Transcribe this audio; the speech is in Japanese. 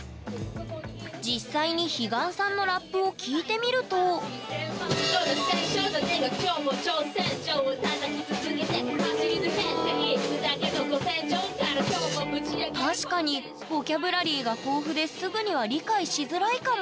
実際に彼岸さんのラップを聴いてみると確かにボキャブラリーが豊富ですぐには理解しづらいかも。